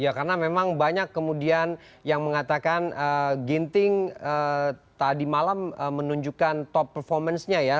ya karena memang banyak kemudian yang mengatakan ginting tadi malam menunjukkan top performance nya ya